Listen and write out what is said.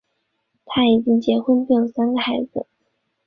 他已经结婚并有三个孩子。